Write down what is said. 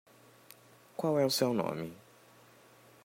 Qual é o seu nome?